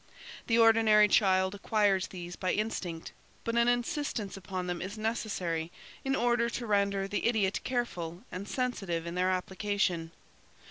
The ordinary child acquires these by instinct, but an insistence upon them is necessary in order to render the idiot careful and sensitive in their application.